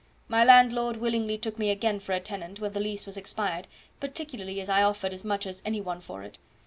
My landlord willingly took me again for a tenant when the lease was expired, particularly as I offered as much as any one for it.